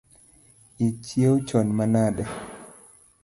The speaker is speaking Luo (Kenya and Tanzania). Ichieo chon manade?